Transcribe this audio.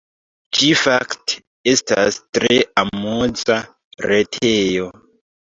Ĝi fakte estas tre amuza retejo.